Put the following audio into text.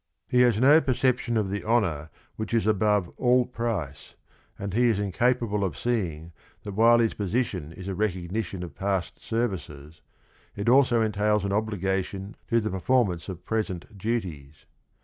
He has no perception of the honor 74 THE RING AND THE BOOK which is above all price, and he is incapable of seeing that while his position is a recognition of past services, it also entails an obligation to the performance of present duties.